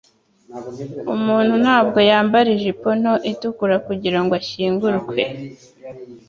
Umuntu ntabwo yambara ijipo nto itukura kugirango ashyingurwe.